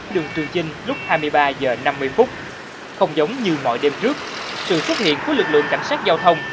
đường trường chinh lúc hai mươi ba h năm mươi không giống như mọi đêm trước sự xuất hiện của lực lượng cảnh sát giao thông